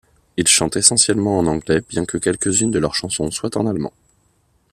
Ils chantent essentiellement en anglais, bien que quelques-unes de leurs chansons soient en allemand.